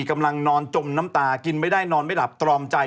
กำลังนอนจมน้ำตากินไม่ได้นอนไม่หลับตรอมใจ